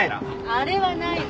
あれはないね。